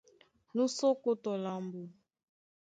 Nú sí ókó tɔ lambo.